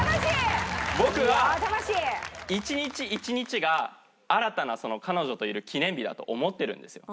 僕は一日一日が新たな彼女といる記念日だと思ってるんですよ。